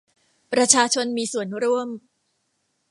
ประชาชนมีส่วนร่วม